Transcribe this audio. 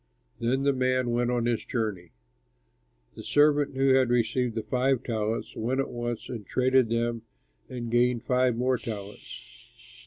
Then the man went on his journey. "The servant who had received five talents went at once and traded with them and gained five more talents.